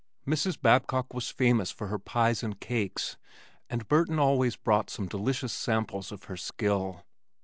Mrs. Babcock was famous for her pies and cakes, and Burton always brought some delicious samples of her skill.